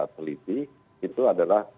teliti itu adalah